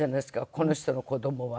この人の子どもは。